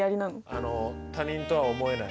あの他人とは思えない。